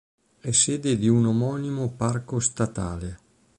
È sede di un omonimo Parco statale.